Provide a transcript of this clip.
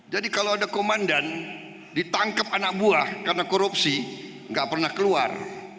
jadi kalau ada komandan ditangkep anak buah karena korupsi gak pernah keluar